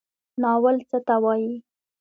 ناول څه ته وایي؟